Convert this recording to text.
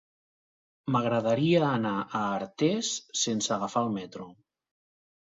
M'agradaria anar a Artés sense agafar el metro.